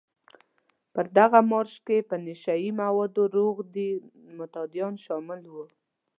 په دغه مارش کې په نشه يي موادو روږدي معتادان شامل وو.